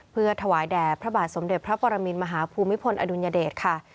เพื่อถวายแด่พระบาทสมเด็จพระปรมินมหาภูมิพลอดุลยเดชค่ะ